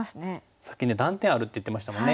さっき断点あるって言ってましたもんね。